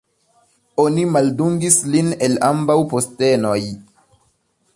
Oni maldungis lin el ambaŭ postenoj.